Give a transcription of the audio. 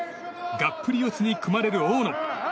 がっぷり四つに組まれる大野。